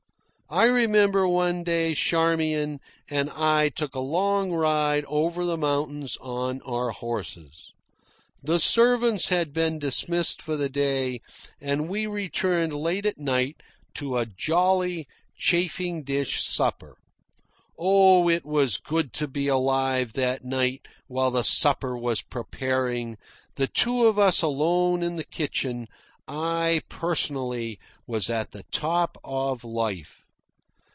I remember one day Charmian and I took a long ride over the mountains on our horses. The servants had been dismissed for the day, and we returned late at night to a jolly chafing dish supper. Oh, it was good to be alive that night while the supper was preparing, the two of us alone in the kitchen. I, personally, was at the top of life.